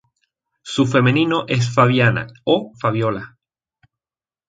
Su femenino es Fabiana o Fabiola.